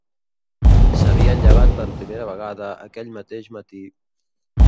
S'havien llevat per primera vegada aquell mateix matí